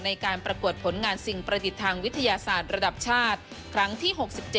ในการประกวดผลงานสิ่งประดิษฐ์ทางวิทยาศาสตร์ระดับชาติครั้งที่๖๗